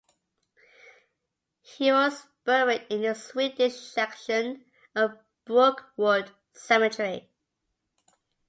He was buried in the Swedish Section of Brookwood Cemetery.